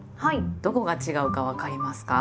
どこが違うか分かりますか？